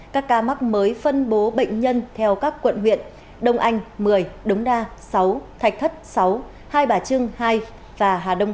các ca mắc mới phân bố bệnh nhân theo các quận huyện đông anh một mươi đống đa sáu thạch thất sáu hai bà trưng hai và hà đông